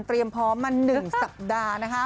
พร้อมมา๑สัปดาห์นะคะ